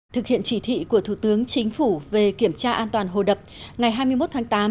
thực hiện chỉ thị của thủ tướng chính phủ về kiểm tra an toàn hồ đập ngày hai mươi một tháng tám